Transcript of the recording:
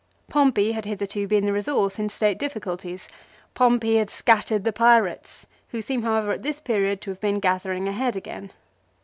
Pompey had hitherto been the resource in state difficulties. Pompey had scattered the pirates, who seem however at this period to have been gathering ahead again.